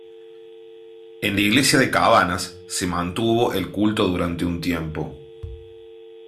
En la iglesia de Cabanas se mantuvo el culto durante un tiempo.